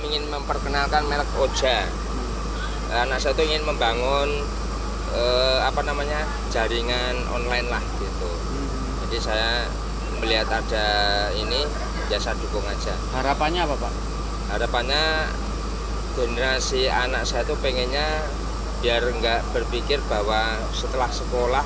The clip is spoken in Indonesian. generasi anak saya itu pengennya biar nggak berpikir bahwa setelah sekolah